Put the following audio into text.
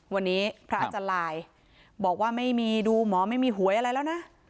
วันนี้พระอาจารย์ลายบอกว่าไม่มีดูหมอไม่มีหวยอะไรแล้วนะ